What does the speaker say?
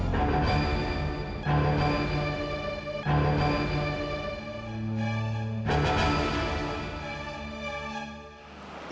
kamu buruk buruk sama aku